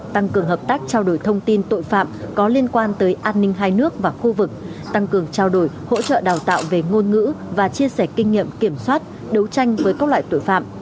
tăng cường hợp tác trao đổi thông tin tội phạm có liên quan tới an ninh hai nước và khu vực tăng cường trao đổi hỗ trợ đào tạo về ngôn ngữ và chia sẻ kinh nghiệm kiểm soát đấu tranh với các loại tội phạm